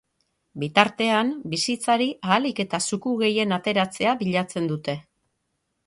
Bitartean, bizitzari ahalik eta zuku gehien ateratzea bilatzen dute.